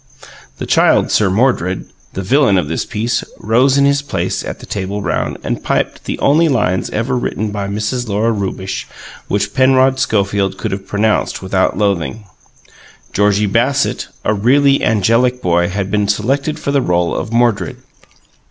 The Child Sir Mordred, the villain of this piece, rose in his place at the table round, and piped the only lines ever written by Mrs. Lora Rewbush which Penrod Schofield could have pronounced without loathing. Georgie Bassett, a really angelic boy, had been selected for the role of Mordred.